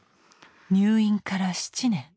入院から７年。